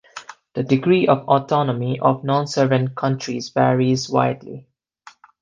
The degree of autonomy of non-sovereign countries varies widely.